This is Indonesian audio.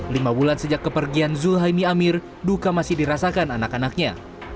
lima bulan sejak kepergian zulhaimi amir duka masih dirasakan anak anaknya